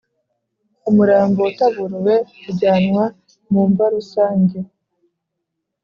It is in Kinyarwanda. umurambo utaburuwe ujyanwa mumva rusange.